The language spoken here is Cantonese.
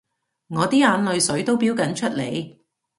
我啲眼淚水都標緊出嚟